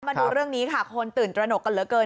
มาดูเรื่องนี้ค่ะคนตื่นตระหนกกันเหลือเกิน